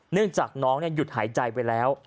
เนื่องจากน้องหยุดหายใจไปแล้ว